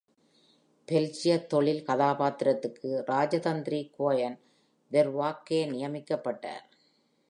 பெல்ஜிய தொழில் கதாபாத்திரத்திற்கு இராஜதந்திரி கோயன் வெர்வாக்கே நியமிக்கப்பட்டார்.